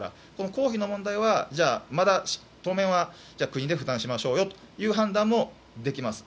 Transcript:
公費の問題はまだ当面は国で負担しましょうという判断もできます。